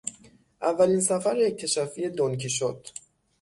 اولین سفر اکتشافی دن کیشوت